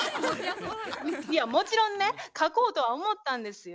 いやもちろんね描こうとは思ったんですよ。